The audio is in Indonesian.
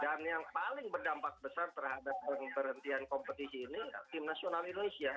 dan yang paling berdampak besar terhadap berhentian kompetisi ini tim nasional indonesia